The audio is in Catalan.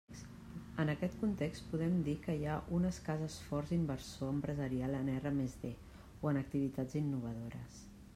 En aquest context, podem dir que hi ha un escàs l'esforç inversor empresarial en R+D o en activitats innovadores.